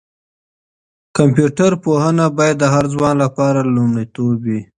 کمپيوټر پوهنه باید د هر ځوان لپاره لومړیتوب وي.